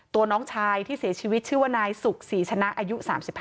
น้องชายที่เสียชีวิตชื่อว่านายสุขศรีชนะอายุ๓๕